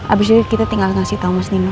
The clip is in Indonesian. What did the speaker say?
abis itu kita tinggal kasih tau mas nino